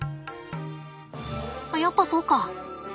やっぱそうか。